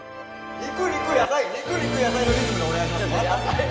肉肉野菜肉肉野菜のリズムでお願いします